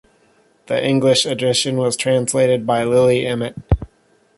The English edition was translated by Lily Emmet.